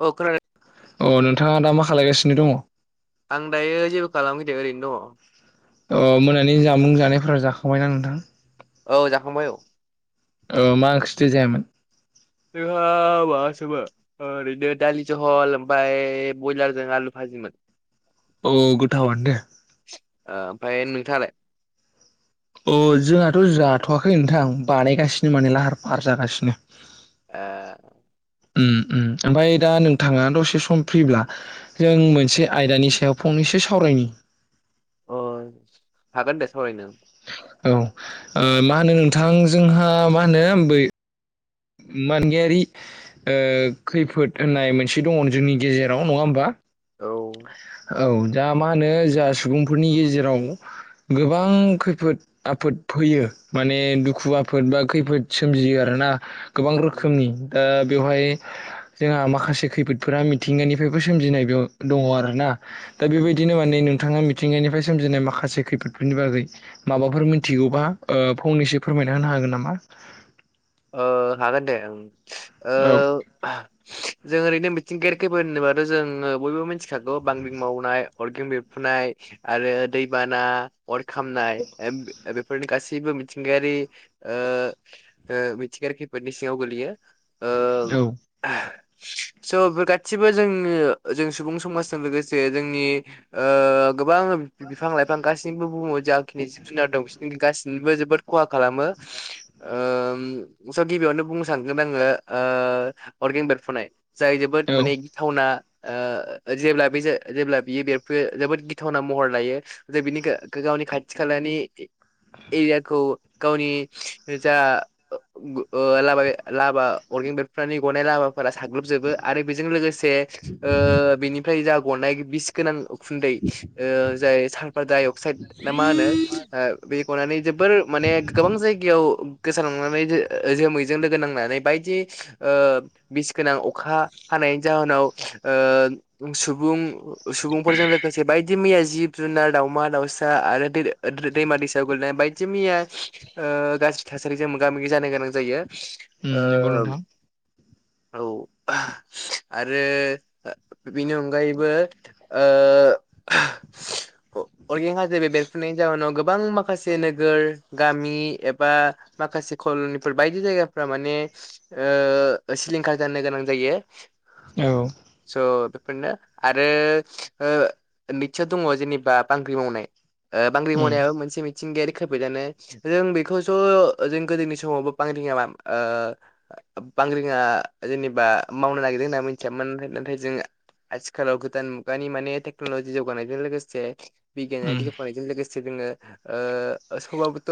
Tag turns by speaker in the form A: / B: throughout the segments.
A: औ खोनादों
B: अ नोंथाङा दा मा खालायगासिनो दङ?
A: आं दायो जेबो खालामाखै दे ओरैनो दङ।
B: अ मोनानि जामुं जानायफोरा जाखांबाय ना नोंथां?
A: औ जाखांबाय औ
B: ओ मा ओंख्रिथो जायामोन?
A: जोंहा माबासोमो ओरैनो दालि जहल ओमफाय ब्रयलारजों आलु भाजिमोन। [inaudible]
B: अ गथावानो दे
A: ओमफ्राय नोंथाङालाय?
B: अ जोंहाथ जाथवाखै नोंथां बानायगासिनो माने लाहार फाहार जागासिनो।
A: ए
B: उम उम ओमफाय दा नोंथाङा दसे सम फ्रिब्ला जों मोनसे आयदानि सायाव फंनै एसे सावरायनि
A: अ हागोन दे सावरायनो।
B: औ ओ मा होनो नोंथां जोंहा मा होनो बै मानगायारि ओ खैफोद होननाय मोनसे दङ जोंनि गेजेराव दङ नङा होनबा?
A: औ
B: औ दा मा होनो जा सुबुंफोरनि गेजेराव गोबां खैफोद आफोद फैयो माने दुखु आफोद बा खैफोद सोमजियो आरो ना गोबां रखोमनि ओ बेवहाय जोंहा माखासे खैफोदफोरा मिथिंगानिफ्रायबो सोमजिनाय दङ आरोना दा बेबायदिनो माने नोंथाङा मि थिंगानिफ्राय सोमजिनाय माखासे खैफोदफोरनि बागै माबाफोर मिथिगौबा ओ फंनैसो फोरमायना होनो हा गोन नामा?
A: ओ हागोन दे ओं। ओ
B: औ
A: जों ओरैनो मिथिंगायारि खैफोर होनोबाथ' जोङो बयबो मिथिखागौ बांग्रिं मावनाय अरगें बेरफ्रुनाय आरो दैबाना अर खामनाय बेफोरनि गासैबो मिथिंगायारि ओ ओ मिथिंगायारि खैफोदनि सिंङाव गोलैयो। ओ
B: औ
A: [inaudible] स' बे गासिबो जोङो जों सुबुं समाजजों लोगोसे जोंनि ओ गोबां बिफां लाइफां गासैनिबो बुङो जाखिनि जिब जुनार दं गाससिनिबो जोबोद खहा खालामो ओ स' गिबियावनो बुंनो सानगोन आङो ओ अर्गेन बेरफ्रुनाय जाय जोबोद
B: औ
A: माने गिथावना ओ जेब्ला बे जेब्ला बियो बेरफ्रुयो जोबोद गिथावना महर लायो जे बिनि गावनि खाथि खाला दानि एरियाखौ गावनि जा ओ लामा लाभा अरगें बेरफ्रुनायनि गनाय लाभा फोरा साग्लोबजोबो आरो ओ बेजों लोगोसे ओ बेनिफ्राय जा गनाय बिस गोनां उखुन्दै जाय ओ साल्फार डाइ अक्साइद ना मा होनो ओ बे गनानै जोब बोर माने गोबां जायगायाव गोसारलांनानै जोमैजों लोगो नांनानै बायदि ओ बिस गोनां अखा हानायनि जाहोनाव ओ सुबुं सुबुंफोरजों लोगोसे बायदि मैया जिब जुनार दाव दावमा दावसा आरो दैमा दैसा गोलैनाय बायदि मैया ओ गा थासारिजों मोगा मोगि जानो गोनां जायो।
B: उम नंगौ
A: ओ
B: नोंथां।
A: औ आरो बेनि अनगायैबो ओ ओह। अरगें हाजो बे बेरफ्रुनायनि जाउोनाव गोबां माखासे नोगोर गामि एबा माखासे खल'नि बायदि जायगाफोरा माने ओ सिलिंखार ओ जानो गोनां जायो।
B: औ
A: स फोरनो आरो ओ नैथियाव दङ जेनेबा बांग्रि मावनाय। ओ बांग्रि
B: उम
A: मावनायाबो मोनसे मिथिंगायारि खोफैदानो जों बेखौ ज' जों गोदोनि समावबो बांग्रिङा ओ बांग्रिङा जेनेबा मावनो नागिर जोंना मिथियामोन नाथाय जों आथिखालाव गोदान मुनि माने टेक्न'लजि जानाय जों लोगोसे बिगियानारि
B: उम
A: जौफानायजों लोगोसे जोङो ओ सभाबथ'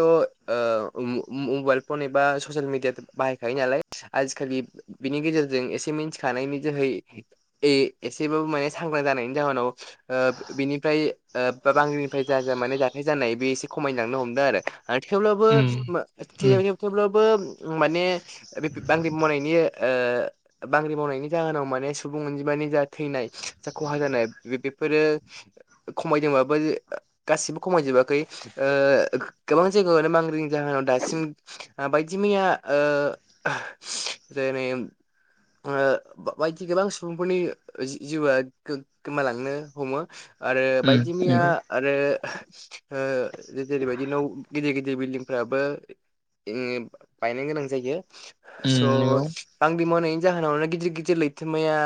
A: मबाइल फन एबा ससियेल मिडिया बाहायखायो नालाय आजिखालि बिनि गेजेरजों एसे मिन्थिखा खानायनि जोहै एसेबाबो माने सांग्रां जानायनि जाहोनाव ओ बिनिफ्राय ओ बा बांगलिनिफ्राय जा जा माने जाथाय जानाय बे एसे खमायलांनो हमदों आरो। ओ थेवब्लाबो मो [unintelligible]
B: उम
A: थेवब्लाबो माने रिफफ-बांग्रि मावनायनि ओ बांग्रि मावनायनि जोनाव माने सुबुं अनजिमानि थैनाय जा खहा जानाय बेफोरो खमायदोंबो गासिबो खमाय खमायजोबाखै। ओ गोबां जायगायावनो बांग्रिं जाहोनाव दासिम बायदि मैया ओ जेरै बायदि गोबां सुबुंफोरनि जि-जिउआ गो-गोमालांनो हमो। आरो
B: उम
A: बायदि मैया
B: नंगौ
A: आरो ओ जेरैबायदि न' गिदिर गिदिर बिल्डिं फोराबो बायनो गोनां जायो
B: उम नंगौ
A: स' बाग्रिं मावनायनि जाहोनावनो गिदिर गिदिर लैथोमाया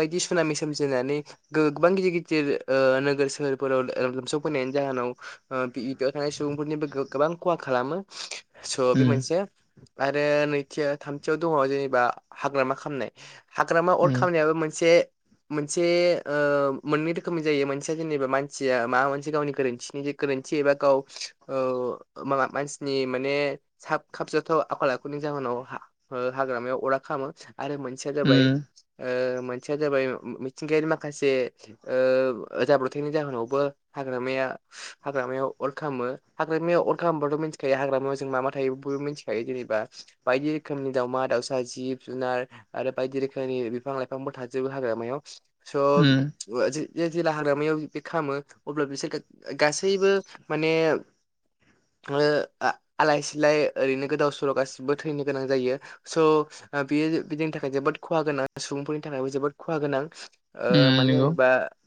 A: बायदि सुनामि सोमजिनानै गोबां गिदिर गिदिर नो-ओ-नोगोर सोहोरफोराव ओ लोमसाव फैनायनि जाहोनाव ओ बियाव थानाय सुबुंफोरनिबो गोबां खहा खालामो। स' बे
B: उम
A: मोनसे आरो नैथि थामथियाव दङ जेनेबा हाग्रामा खामनाय हाग्रामा अर
B: उम
A: खामनायाबो मोनसे मोनसे ओ मोननै रोखोमनि जायो मोनसेया जेनेबा मानसिया मा मोनसे गावनि गोरोन्थिनि जे गोरोन थि एबा गाव माबा मानसिनि माने साब खाबजाथाव आखल आखुनि जाहोनाव हाग्रामायाव अरा खामो। आरो मोनसे या जाबाय
B: उम
A: ओ मोनसेया जाबाय मिथिंगायारि माखासे ओ जाब्र'थायाइनि जाहोनावबो हाग्रामाया हाग्रामायाव अर खामो। हाग्रामायाव अर खालामबथ' मिथिखायो हाग्रामायाव जों मा मा थायो मिथिखायो। जेनेबा बायदि रोखोमनि दावमा-दाउसा, जिब जुनार आरो बायदि रोखोमनि बिफां-लाइफांबो थाजोबो हाग्रामायाव स'
B: उम
A: जेला हाग्रामायाव बे खालामो अब्ला बिसोर गा-गासैबो माने ओ आ-आलाय सिलाय ओरैनो गोदाव सोराव गासिबो थैनो गोनां जायो। स' बेयो बिदिनि थाखाय जोबोद खहा गोनां सुबुंफोरनि थाखायबो जोबोद खहा गोनां।
B: उम
A: ओ मानो
B: नंगौ
A: होनोबा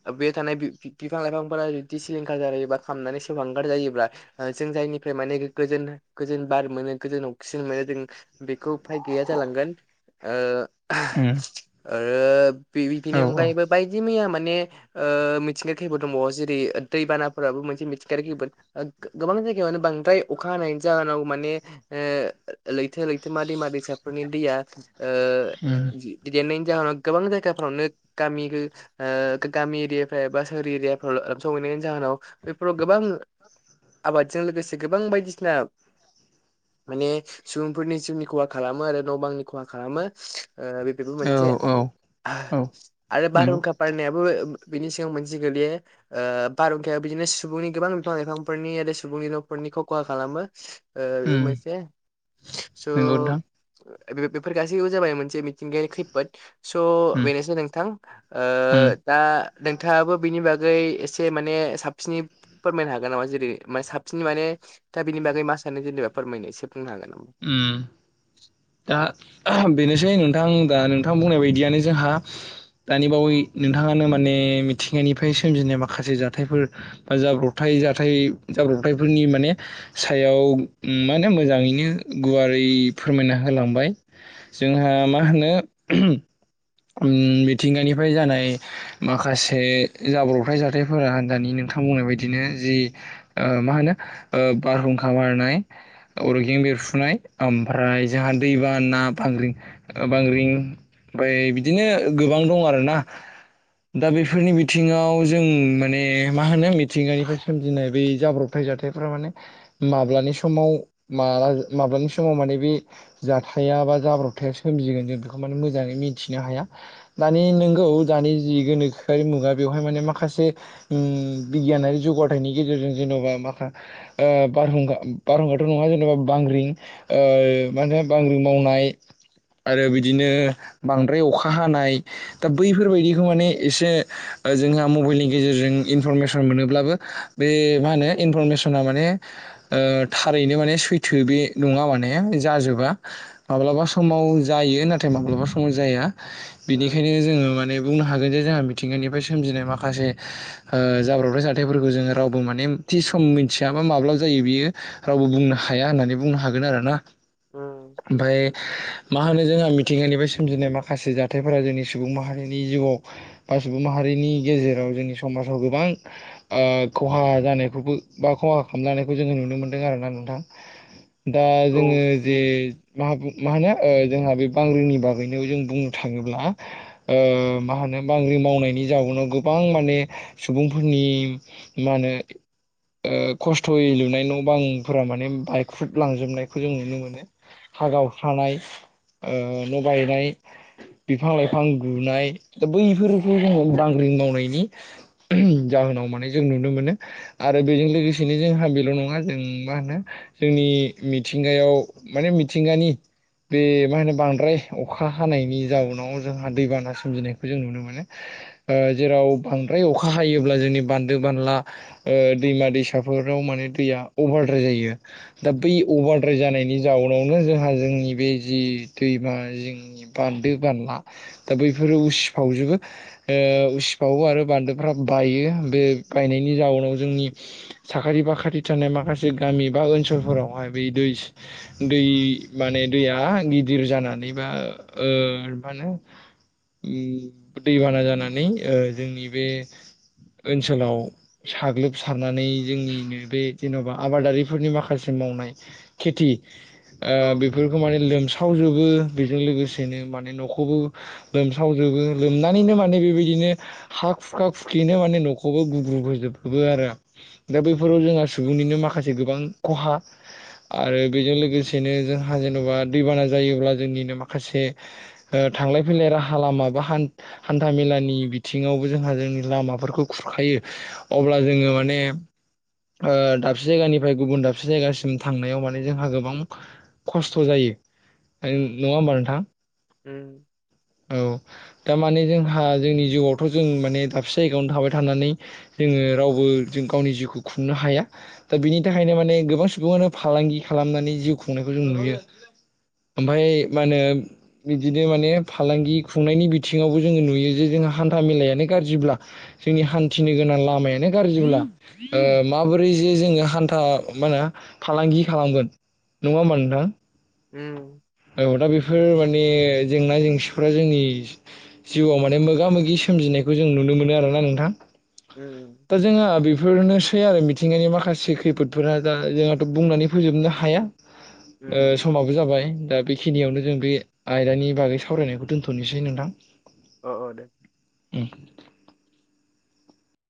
A: ओ बे थानाय बिफां-लाइफांफोरा जुदि सिलिंखार जायोबा खामनानै सांगार जायोब्ला जों जायनिफ्राय माने गो-गोजोन बार मोनो गोजोन अखिसिजेन मोनो जों बेखौ फाय गैया जा लांगोन। ओ ओहो
B: उम
A: आरो
B: औ
A: बेनि अनगायैबो बायदि मैया माने ओ ओ मिथिंगायारि खैफोद दंबावो। जेरै दैबानाफोराबो मोनसे मिथिंगायारि खैफोद गो-गोबां जायगायावानो बांद्राय अखा हानायनि जाहोनाव माने ओ लैथो लैथोमा दैमा दैसा नि दैया ओ
B: उम
A: देरनायनि जाहोनाव गोबां जायगाफ्रावनो गामि ओ गामि एरियाफ्रा बा सोहोरनि एरियाफ्राव सहर एरियाफ्राव सहैनायनि जाहोनाव बेफोराव गोबां आबादजों लोगोसे गोबां बायदिसिना [inaudible] माने सुबुंफोरनि जिउनि खहा खालामो आरो न' बांनि खहा खालामो ओ बेफोरबो
B: औ
A: मोनसे।
B: औ
A: ओह
B: औ
A: आरो
B: नंगौ
A: बारहुंखा बारनायाबो बिनि सिगां मोनसे गोलैयो ओ बारहुंख बिदिनो सुबुंनि गोबां बिफां-लाइफां फोरनि आरो सुबुंनि न'फोरनिखौ खहा खालामो। ओ बे
B: उम
A: मोनसे। स'
B: नंगौ नोंथां
A: बेफोर गासैबो जाबाय मोनसे मिथिंगायारि खैफोद स'
B: उम
A: बेनोसै नोंथां ओ
B: उम
A: ओ दा नोंथाङाबो बिनि बागै एसे माने साबसिनै फोरमायनो हागोन नामा जेरै साबसिन माने दा बिनि बागै मा सानो जेनेबा फोरमायनो से बुंनो हागोन नामा
B: उम दा बेनोसै नोंथां दा नोंथां बुंनाय बायदियानो जोंहा दानि बावै नोंथाङानो माने मिथिंगानिफ्राय सोमजिनाय माखासे जाथायफोर बा जाब्र जाब्रबथायफोरनि माने सायाव माने मोजाङैनो गुवारै फोरमायना होलांबाय जोंहा मा होनो मिथिंगानिफ्राय जानाय माखासे जाब्रबथाय जाथायफोरा दानि नो नोंथां बुंनाय बायदिनो जि ओ मा होनो बारहुंखा बारनाय अरगें बेरफुनाय ओमफ्राय जोंहा दैबाना ना बाग्रिं बांग्रिं ओमफ्राय बिदिनो गोबां दं आरोना दा बेफोरनि बिथिङाव जों माने मा होनो मिथिंगानिफ्राय सोमजिनाय बै जाब्रबथाय जाथायफोरा माने माब्लानि समाव माब्लानि समाव माने बे जा जाथाया बा जाब्रबथाया सोमजिगोन जों बेखौ माने मोजाङै मिथिनो हाया दानि नोंगौ दानि जि गोनोखोआरि मुगा बेवहाय माने माखासे बिगियानारि जौगाथायनि गेजेरजों जेनेबा मा ओ बारहुंखा बारहुंखाथ' नङा जेनेबा बांग्रिं ओ मा होनो बांग्रि मावनाय आरो बिदिनो बांद्राय अखा हानाय दा बैफोरबायदिखौ माने एसे जोंहा मबाइलनि गेजेरजों इनफरमेसन मोनोब्लाबो बे मा होनो इनफरमेसना माने ओ थारैनो माने सैथो बे नङा माने जाजोबा माब्लाबा समाव जायो नाथाय माब्लाबा समाव जाया
A: उम
B: बेनिखायनो जोङो माने बुंनो हागोन जे जोंहा मिथिंगानिफ्राय सोमिनाय माखसे ओ जाब्रबथाय जाथायफोरखौ जोङो रावबो माने थि सम मिथियाबा माब्ला जायो बियो रावबो बुंनो हाया होननानै बुंनो हागोन आरो ना
A: ओम
B: होनो जोंहा मिथिंगानिफ्राय सोमजिनाय माखासे जाथायफोरा जोंनि सुबुं माहारिनि जिउआव बा सुबुं माहारिनि गेजेराव जोंनि समाजाव गोबां ओ खहा जानायखौबो बा खहा खालामलानायखौ जोङो नुनो मोनदों आरोना नोंथां दा
A: औ
B: जोङो जे मा होनो जोंहा बे बांग्रिनि बागैनो जों बुंनो थाङोब्ला ओ मा होनो बांग्रि मावनायनि जाउनाव गोबां माने सुबुंफोरनि मा होनो ओ खस्थ'यै लुनाय न' बांफोरा माने बाइख्रुब लांजोबनायखौ जों नुनो मोनो हा गावस्रानाय ओ न' बायनाय बिफां लाइफां गुनाय दा बैफोरखौ जोङ़ो बांग्रि मावनायनि जा जाहोनाव माने जों नुनो मोनो आरो बेजों लोगोसेनो जोंहा बेल' नङा जों मा होनो जोंनि मिथिंगायाव माने मिथिंगानि बे मा होनो बांद्राय अखा हानायनि जाउनाव जोंहा दैबाना सोमजिनायखौ जों नुनो मोनो ओ जेराव बांद्राय अखा हायोब्ला जोंनि बान्दो बानला दैमा ओ दैसाफोर बेयाव दैया अभारद्राय जायो दा बै अभारद्राय जानायनि जाउनावनो जोंहा जोंनि बे जि दैमा जोंनि बान्दो बानला दा बैफोर बेफोर उसिफावजोबो ओ उसिफावो आरो बान्दोफ्रा बायो बे बायनायनि जाउनाव जोंनि साखाथि बाखाथि थानाय माखासे गामि बा ओनसोलफोरावहाय बे दै दै माने दैया गिदिर जानानैबा मा ओ मा होनो ओम दैबाना जानानै ओ जोंनि बे ओनसोलाव साग्लोबसारनानै जोंनिनो बे जेन'बा आबादारिफोरनि माखासे मावनाय खेथि ओ
A: औ
B: बेफोरखौ माने लोमसावजोबो बेजों लोगोसेनो माने न'खौबो लोमसावजोबो लोमनानैनो माने बेबायदिनो हा खुखा खुखिनो माने न'खौबो गुग्रुब होजोबबो आरो दा बैफोराव जोंहा सुबुंनिनो माखासे गोबां खहा आरो बेजों लोगोसेनो जोंहा जेन'बा दैबाना जायोब्ला जोंनिनो माखासे ओ थांलाय फैलाय राहा लामा बा हान्था मेलानि बिथिङावबो जोंहा जोंनि लामाफोरखौ खुरखायो। अब्ला जोङो माने ओ दाबसे जायगानिफ्राय गुबुन दाबसे जायगासिम थांनायाव माने जोंहा गोबां खस्थ' जायो ओन-नोङा होमबा नोंथां?
A: ओम।
B: औ। दा माने जोंहा जोंनि जिउआवथ' जों माने दाबसे जायगायावनो थाबाय थानानै जोङो रावबो जों गावनि जिउखौ खुंनो हाया। दा बिनि थाखायनो माने गोबां सुबुङानो फालांगि खालामनानै जिउ खुंनायखौ जों नुयो। ओमफाय मा होनो बिदिनो माने फालांगि खुंनायनि बिथिङावबो जोङो नुयो जे जोंहा हान्था मेलायानो गाज्रिब्ला जोंनि हान्थिनो गोनां लामयानो गाज्रिब्ला ओ माबोरै जि जोङो हान्था मा होनो फालांगि खालाम गोन नङा होनबा नोंथां?
A: ओम।
B: औ दा बेफोर माने जेंना जेंसिफोरा जोंनि जिउआव माने मोगा मोगि सोमजिनायखौ जों नुनो मोनो आरो ना नोंथां।
A: उम
B: दा जोंहा बे बेफोरनोसै आरो मिथिंगानि माखासे खैफोदफोरा दा जोंहाथ' बुंनानै फोजोबनो हाया। ओ
A: उम
B: समाबो जाबाय दा बेखिनियावनो जों बे आयदानि बागै सावरायनायखौ दोन्थ'नोसै नोंथां।
A: औ औ दे।